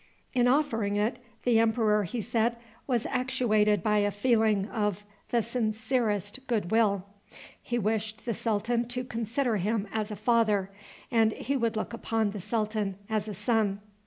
In offering it, the emperor, he said, was actuated by a feeling of the sincerest good will. He wished the sultan to consider him as a father, and he would look upon the sultan as a son.